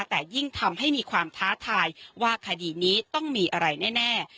แต่ยิ่งทำให้มีความท้าทายว่าคดีนี้ต้องมีอะไรแน่